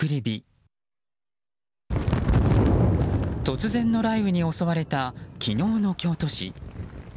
突然の雷雨に襲われた昨日の京都市。